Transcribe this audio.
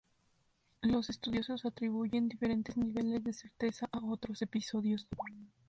Los estudiosos atribuyen diferentes niveles de certeza a otros episodios.